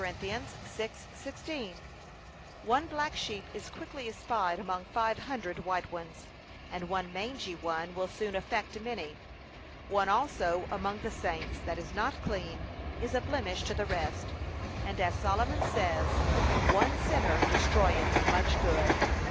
6:16) One black sheep is quickly espied among five hundred white ones, and one mangey one will soon affect many. One also among the saints, that is not clean, is a blemish to the rest, and, as Solomon says, 'one sinner destroyeth much good.'